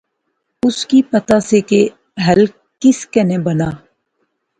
اس کی پتا سا کہ ہل کس کنے بنا